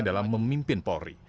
dalam memimpin polri